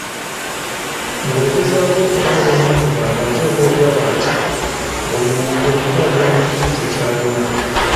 Ng'ogezaako okubeera omuntumulamu oteekwa okulaba nti, buli muntu omutwalira mu kiti kye ky'alimu.